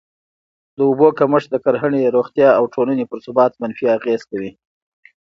د اوبو کمښت د کرهڼې، روغتیا او ټولني پر ثبات منفي اغېز کوي.